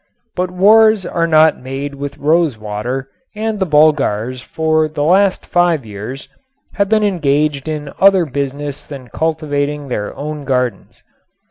But wars are not made with rosewater and the Bulgars for the last five years have been engaged in other business than cultivating their own gardens.